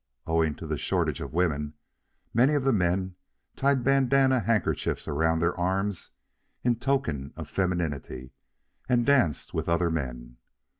Owing to the shortage of women, many of the men tied bandanna handkerchiefs around their arms in token of femininity and danced with other men.